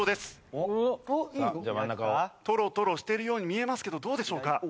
トロトロしてるように見えますけどどうでしょうか？